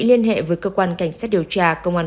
liên hệ với cơ quan cảnh sát điều tra công an